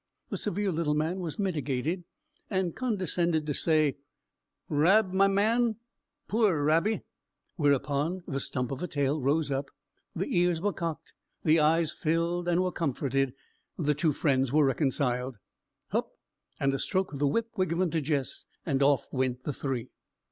The severe little man was mitigated, and condescended to say, "Rab, my man, puir Rabbie," whereupon the stump of a tail rose up, the ears were cocked, the eyes filled, and were comforted; the two friends were reconciled. "Hupp!" and a stroke of the whip were given to Jess; and off went the three.